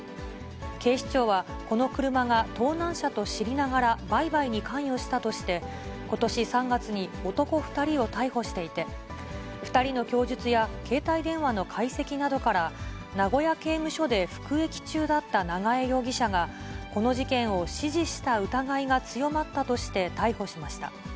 警視庁は、この車が盗難車と知りながら、売買に関与したとして、ことし３月に男２人を逮捕していて、２人の供述や携帯電話の解析などから、名古屋刑務所で服役中だった長江容疑者が、この事件を指示した疑いが強まったとして逮捕しました。